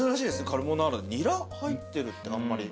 カルボナーラにニラ入ってるってあんまり。